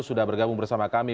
sudah bergabung bersama kami